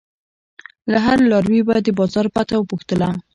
له هر لاروي به د بازار پته پوښتله.